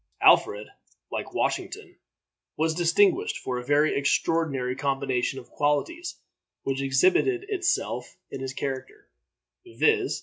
Alfred, like Washington, was distinguished for a very extraordinary combination of qualities which exhibited itself in his character, viz.